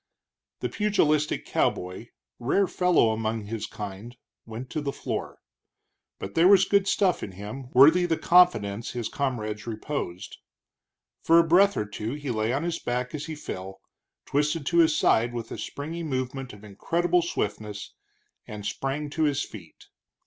The pugilistic cowboy, rare fellow among his kind, went to the floor. But there was good stuff in him, worthy the confidence his comrades reposed. For a breath or two he lay on his back as he fell, twisted to his side with a springy movement of incredible swiftness, and sprang to his feet.